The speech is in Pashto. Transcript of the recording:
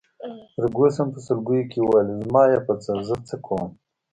فرګوسن په سلګیو کي وویل: زما يې په څه، زه څه کوم.